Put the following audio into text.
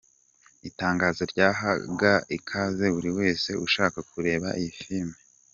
Itangazo ryahaga ikaze buri wese ushaka kureba iyi filime.